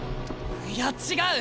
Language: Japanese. いや違う！